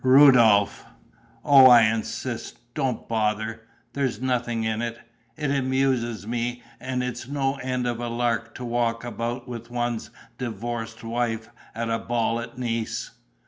"Rudolph...." "Oh, I insist: don't bother! There's nothing in it! It amuses me and it's no end of a lark to walk about with one's divorced wife at a ball at Nice.